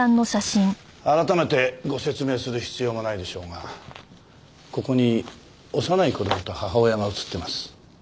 改めてご説明する必要もないでしょうがここに幼い子供と母親が写ってます。